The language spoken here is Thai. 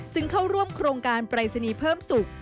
เข้าร่วมโครงการปรายศนีย์เพิ่มสุข